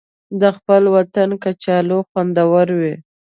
د خپل وطن کچالو خوندور وي